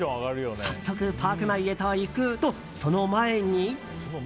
早速、パーク内へと行くと、その前に。